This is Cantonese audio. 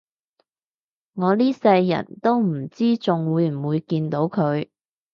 我呢世人都唔知仲會唔會見到佢